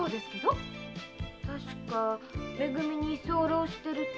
確かめ組に居候してると。